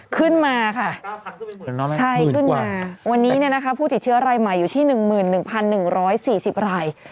ขึ้นมาค่ะใช่ขึ้นมาวันนี้ผู้ติดเชื้อรายใหม่อยู่ที่๑๑๑๔๐ราย